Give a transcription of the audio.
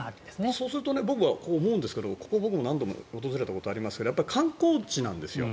そうすると僕は思うんですがここは僕も何度も訪れたことがありますが観光地なんですよ。